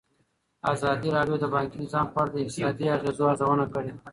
ازادي راډیو د بانکي نظام په اړه د اقتصادي اغېزو ارزونه کړې.